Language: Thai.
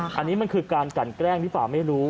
อย่าค่ะอันนี้มันคือการกันแกล้งที่ป่าวไม่รู้